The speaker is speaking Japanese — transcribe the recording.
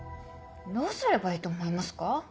どうすればいいと思いますか？